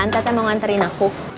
beneran tete mau nganterin aku